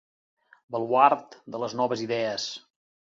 Baluard de les noves idees.